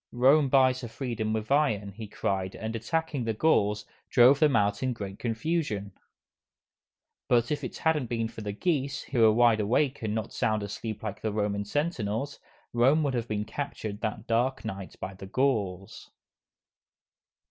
"Rome buys her freedom with iron!" he cried, and attacking the Gauls, drove them out in great confusion. But if it hadn't been for the geese, who were wide awake and not sound asleep like the Roman sentinels, Rome would have been captured that dark night by the Gauls.